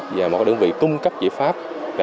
và một đơn vị cung cấp giải pháp